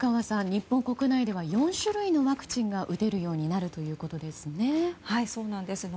日本国内では４種類のワクチンが打てるようになるということですね。